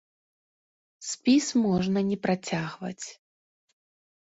Спіс можна не працягваць.